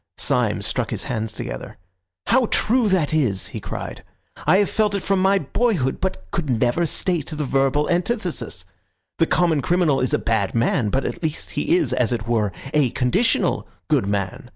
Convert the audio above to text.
Syme struck his hands together. "How true that is," he cried. "I have felt it from my boyhood, but never could state the verbal antithesis. The common criminal is a bad man, but at least he is, as it were, a conditional good man.